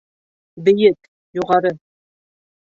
Бейек, юғары